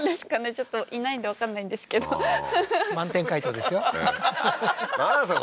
ちょっといないんでわかんないんですけど満点回答ですよははははっなんですか？